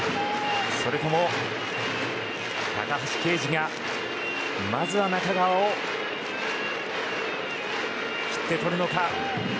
それとも高橋奎二がまずは中川を切って取るのか。